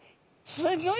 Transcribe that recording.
すギョい